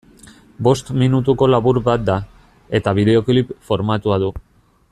Bost minutuko labur bat da, eta bideoklip formatua du.